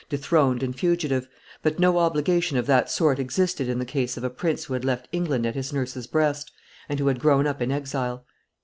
dethroned and fugitive; but no obligation of that sort existed in the case of a prince who had left England at his nurse's, breast, and who had grown up in exile.